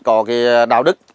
có cái đạo đức